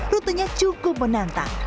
rutanya cukup menantang